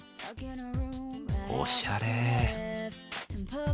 おしゃれ。